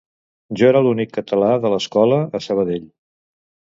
Jo era l'únic català de l'escola a Sabadell